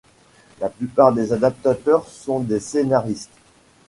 La plupart des adaptateurs sont des scénaristes.